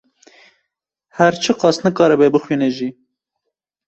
her çiqas nikaribe bixwîne jî